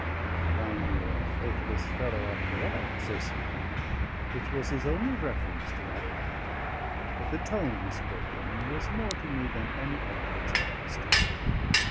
"I find you are a faithless fellow after all," says he, which was his only reference to my part; but the tone he spoke in was more to me than any eloquence of protestation.